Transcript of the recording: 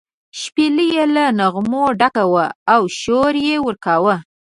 شپېلۍ یې له نغمو ډکه وه او شور یې ورکاوه.